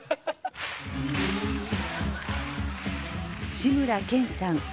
志村けんさん